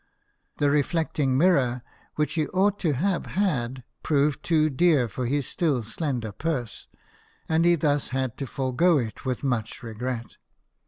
The reflecting mirror which he ought to have had proved too dear for his still slender purse, and he thus had to forego it with much regret.